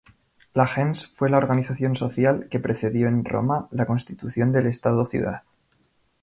La "gens "fue la organización social, que precedió en Roma la constitución del estado-ciudad.